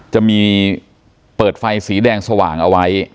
จะมีเปิดไฟสีแดงสว่างเอาไว้